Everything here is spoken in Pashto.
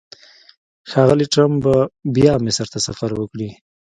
ښاغلی ټرمپ به بیا مصر ته سفر وکړي.